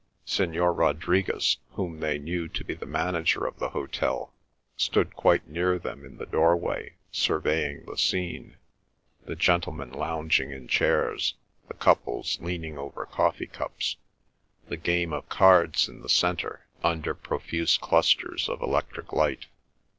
Signor Rodriguez, whom they knew to be the manager of the hotel, stood quite near them in the doorway surveying the scene—the gentlemen lounging in chairs, the couples leaning over coffee cups, the game of cards in the centre under profuse clusters of electric light.